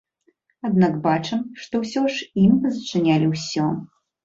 Аднак бачым, што ўсё ж ім пазачынялі ўсё.